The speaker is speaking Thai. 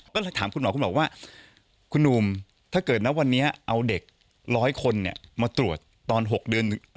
ก็ถามคุณหมอว่าคุณหนูมถ้าเกิดวันนี้เอาเด็กร้อยคนมาตรวจตอน๖เดือน